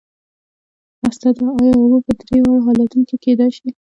استاده ایا اوبه په درې واړو حالتونو کې کیدای شي